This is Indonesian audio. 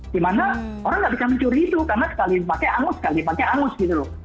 dimana orang nggak bisa mencuri itu karena sekali pakai angus sekali pakai angus gitu loh